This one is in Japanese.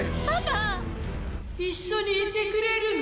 「一緒にいてくれるの？」